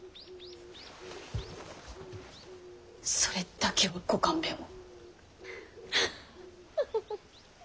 それだけはご勘弁を。